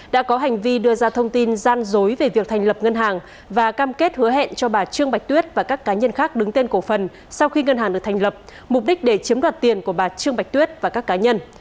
sau khi ngân hàng được thành lập mục đích để chiếm đoạt tiền của bà trương bạch tuyết và các cá nhân